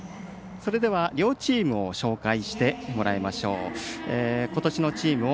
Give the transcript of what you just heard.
両チームを紹介してもらいましょう。